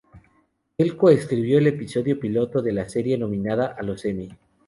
Él co-escribió el episodio piloto de la serie, nominado a los Emmy.